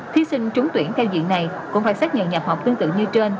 thí sinh trúng tuyển theo diện này cũng phải xét nghiệm nhập học tương tự như trên